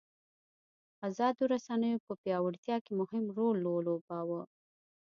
ازادو رسنیو په پیاوړتیا کې مهم رول ولوباوه.